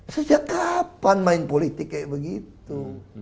sejak kapan main politik kayak begitu